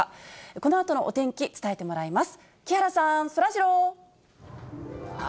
このあとのお天気、伝えてもらいます。